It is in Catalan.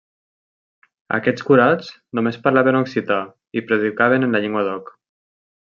Aquests curats només parlaven occità i predicaven en la llengua d'oc.